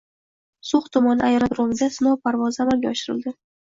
So‘x tumani aerodromida sinov parvozi amalga oshirilding